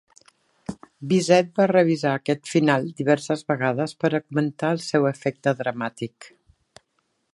Bizet va revisar aquest final diverses vegades per augmentar el seu efecte dramàtic.